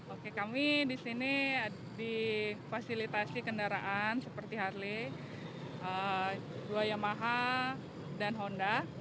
oke kami di sini di fasilitasi kendaraan seperti harley dua yamaha dan honda